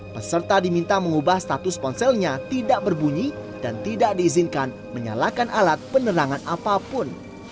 peserta diminta mengubah status ponselnya tidak berbunyi dan tidak diizinkan menyalakan alat penerangan apapun